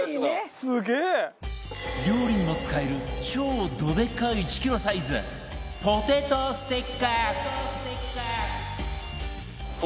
料理にも使える超どでか１キロサイズポテトスティック